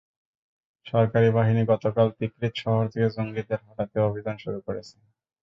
সরকারি বাহিনী গতকাল তিকরিত শহর থেকে জঙ্গিদের হটাতে অভিযান শুরু করেছে।